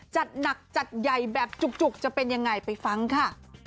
จัดหนักจัดใหญ่แบบจุกจะเป็นยังไงไปฟังค่ะ